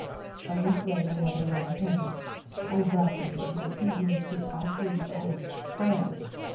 A week later another letter came. I welcomed it with an eagerness which I feared was almost childish.